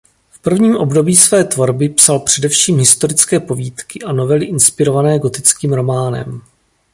V prvním období své tvorby psal především historické povídky a novely inspirované gotickým románem.